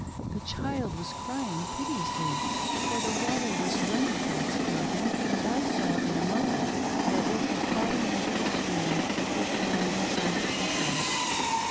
The child was crying piteously, for the water was running from its clothing, and I saw in a moment that it had fallen into the stream, which ran in front of the house.